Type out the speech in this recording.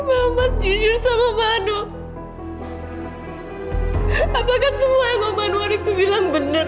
mas masih bersemangat sama jessica ya